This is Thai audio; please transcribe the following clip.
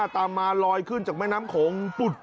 ตามมาลอยขึ้นจากแม่น้ำโขง